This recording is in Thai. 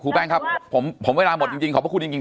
แป้งครับผมเวลาหมดจริงขอบพระคุณจริง